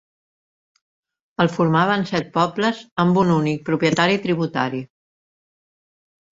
El formaven set pobles amb un únic propietari tributari.